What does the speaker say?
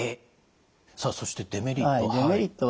さあそしてデメリット。